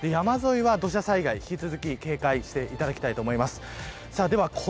山沿いは土砂災害引き続き警戒していただきたいと思います。